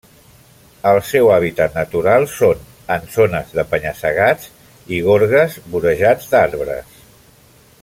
El seu hàbitat natural són en zones de penya-segats i gorgues vorejats d'arbres.